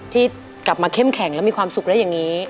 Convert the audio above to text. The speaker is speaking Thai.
ที่กลับมาเข้มแข็งแล้วมีความสุขแล้วอย่างนี้